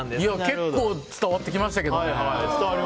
結構、伝わってきましたけどね。